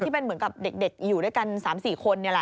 ที่เป็นเหมือนกับเด็กอยู่ด้วยกัน๓๔คนนี่แหละ